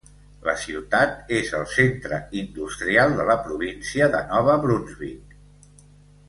La ciutat és el centre industrial de la província de Nova Brunsvic.